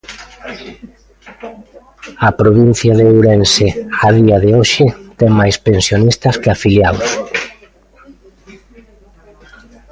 A provincia de Ourense, a día de hoxe, ten máis pensionistas que afiliados.